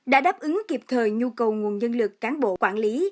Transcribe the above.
đã đáp ứng kịp thời nhu cầu nguồn nhân lực cán bộ quản lý